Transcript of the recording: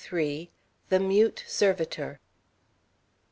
THE MUTE SERVITOR.